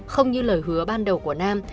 không như lời hứa ban đầu của nam